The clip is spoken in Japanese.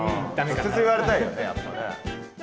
直接言われたいよねやっぱね。